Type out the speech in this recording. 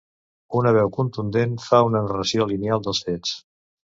Una veu contundent fa una narració lineal dels fets.